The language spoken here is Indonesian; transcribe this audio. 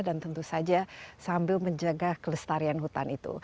dan tentu saja sambil menjaga kelestarian hutan itu